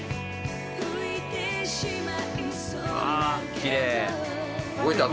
きれい。